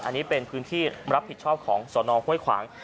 อันนี้เป็นพื้นที่รับผิดชอบของสนห้วยขวาง